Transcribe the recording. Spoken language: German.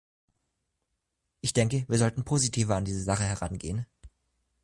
Ich denke, wir sollten positiver an diese Sache herangehen.